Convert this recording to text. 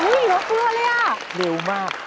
นี่เห็นไหมเพื่อนเลยน่ะเร็วมาก